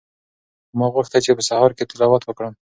ما غوښتل چې په سهار کې تلاوت وکړم.